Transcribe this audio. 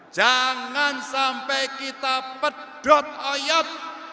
jangan sampai kita pedot ayat